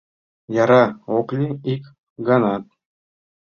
Яра ок лий ик ганат;